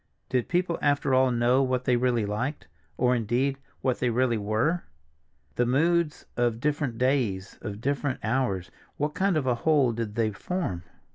Did people after all know what they really liked—or, indeed, what they really were? The moods of different days, of different hours, what kind of a whole did they form?